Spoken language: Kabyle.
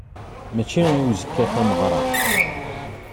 Mačči i uzekka tameɣṛa.